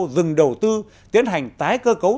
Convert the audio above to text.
dừng đầu tư tiến hành tái cơ cấu